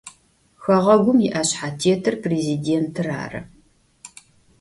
Xeğegum yi'eşshetêtır prêzidêntır arı.